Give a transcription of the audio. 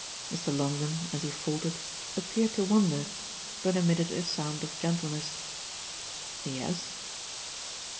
Mr. Longdon, as he faltered, appeared to wonder, but emitted a sound of gentleness. "Yes?"